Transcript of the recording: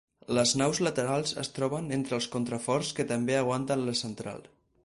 Les naus laterals es troben entre els contraforts que també aguanten la central.